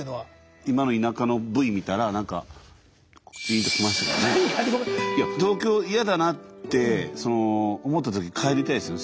今の田舎のＶ見たら何かいや東京嫌だなって思った時帰りたいですよね